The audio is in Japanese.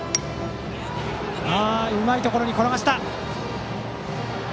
うまいところに転がした。